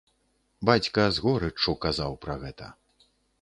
Бацька з горыччу казаў пра гэта.